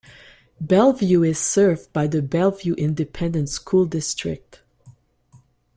Bellevue is served by the Bellevue Independent School District.